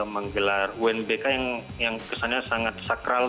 menggelar unbk yang kesannya sangat sakral